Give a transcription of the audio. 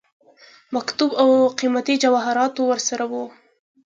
مکتوب او قيمتي جواهراتو ورسره وه.